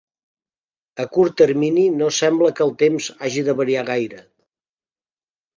A curt termini no sembla que el temps hagi de variar gaire.